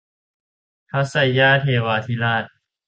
พระไซย่าเทวาธิราช